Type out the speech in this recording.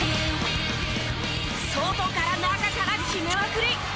外から中から決めまくり！